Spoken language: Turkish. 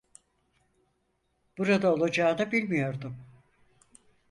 Burada olacağını bilmiyordum.